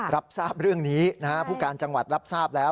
รับทราบเรื่องนี้นะฮะผู้การจังหวัดรับทราบแล้ว